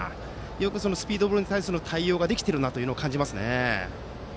よくスピードボールに対する対応ができているなと感じますね。